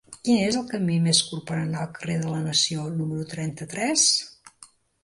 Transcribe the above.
Quin és el camí més curt per anar al carrer de la Nació número trenta-tres?